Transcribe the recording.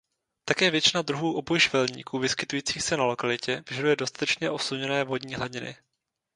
Také většina druhů obojživelníků vyskytujících se na lokalitě vyžaduje dostatečně osluněné vodní hladiny.